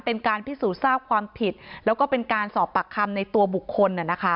เป็นการพิสูจน์ทราบความผิดแล้วก็เป็นการสอบปากคำในตัวบุคคล